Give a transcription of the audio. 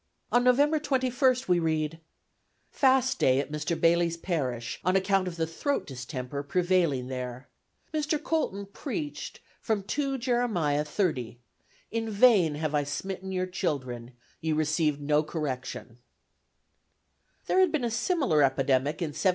On November 21st we read: "Fast Day at Mr. Bayleys Parish on account of the throat Distemper prevailing there. Mr. Colton p'd from 2 Jer. 30 'In vain have I smitten yr c(hildre)n ye rec'd no Correction.'" There had been a similar epidemic in 1735 6.